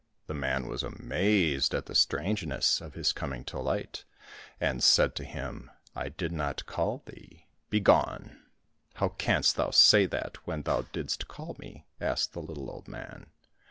— The man was amazed at the strangeness of his coming to light, and said to him, " I did not call thee ; begone !"—" How canst thou say that when thou didst call me ?" asked the little old man.